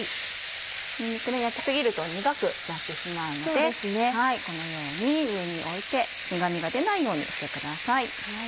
にんにくね焼き過ぎると苦くなってしまうのでこのように上に置いて苦味が出ないようにしてください。